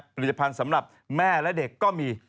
ผลิตภัณฑ์สำหรับแม่และเด็กก็มี